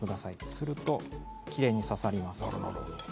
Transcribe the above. するときれいに刺さります。